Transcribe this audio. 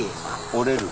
折れる。